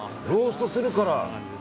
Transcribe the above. ローストするから。